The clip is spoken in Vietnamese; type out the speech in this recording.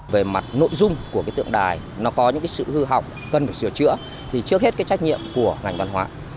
về mặt nội dung của cái tượng đài nó có những cái sự hư hỏng cần phải sửa chữa thì trước hết cái trách nhiệm của ngành văn hóa